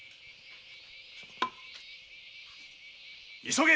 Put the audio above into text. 急げ！